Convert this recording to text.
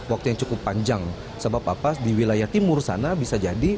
waktu yang cukup panjang sebab apa di wilayah timur sana bisa jadi